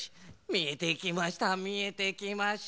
みえてきましたみえてきました。